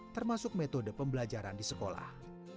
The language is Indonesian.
termasuk metode pembelajaran di sekolah